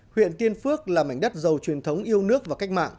huyện tiên phước là mảnh đất giàu truyền thống yêu nước và cách mạng